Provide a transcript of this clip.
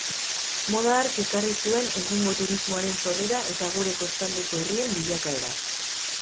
Moda hark ekarri zuen egungo turismoaren sorrera eta gure kostaldeko herrien bilakaera.